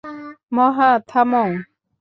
মহা, থামো!